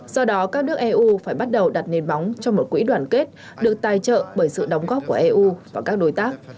do đó các nước eu phải bắt đầu đặt nền móng cho một quỹ đoàn kết được tài trợ bởi sự đóng góp của eu và các đối tác